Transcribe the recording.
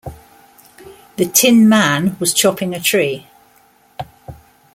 The Tinman was chopping a tree.